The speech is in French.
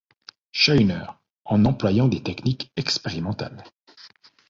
Scheuner, en employant des techniques expérimentales.